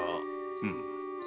うん。